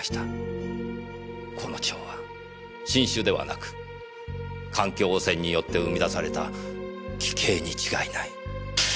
この蝶は新種ではなく環境汚染によって生み出された奇形に違いない。